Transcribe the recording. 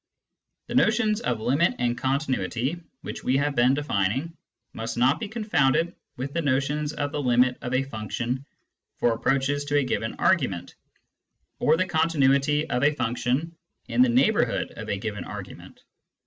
The notions of limit and continuity which we have been defining must not be confounded with the notions of the limit of a function for approaches to a given argument, or the continuity of a function in the neighbourhood of a given argument.